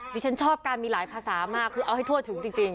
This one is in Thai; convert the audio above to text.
ดิฉันชอบการมีหลายภาษามากคือเอาให้ทวดถูกจริงจริง